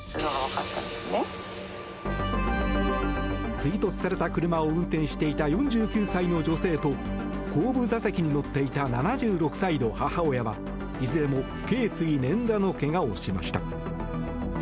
追突された車を運転していた４９歳の女性と後部座席に乗っていた７６歳の母親はいずれも頸椎捻挫の怪我をしました。